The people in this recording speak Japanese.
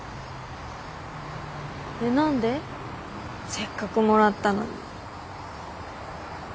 せっかくもらったのに。